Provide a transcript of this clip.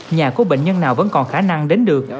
nhà của bệnh nhân nào vẫn còn khả năng đến được